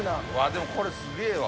でもこれすげぇわ。